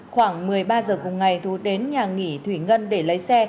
khoảng một mươi ba giờ cùng ngày thú đến nhà nghỉ thủy ngân để lấy xe